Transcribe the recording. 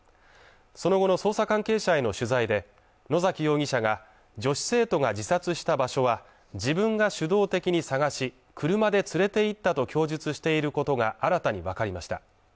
その後の捜査関係者への取材で野崎容疑者が女子生徒が自殺した場所は自分が主導的に探し車で連れて行ったと供述していることが新たに分かりました